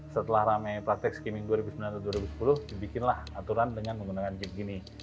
setelah ramai praktek skimming dua ribu sembilan atau dua ribu sepuluh dibikinlah aturan dengan menggunakan jeep gini